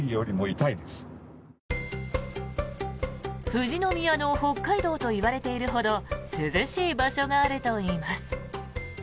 富士宮の北海道といわれているほど涼しい場所があるといいます。